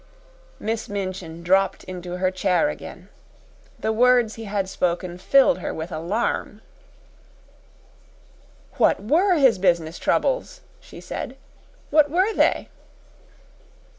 Miss Minchin dropped into her chair again. The words he had spoken filled her with alarm. "What WERE his business troubles?" she said. "What WERE they?"